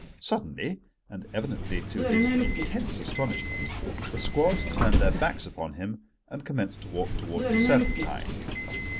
Suddenly, and evidently to his intense astonishment, the squad turned their backs upon him and commenced to walk towards the Serpentine.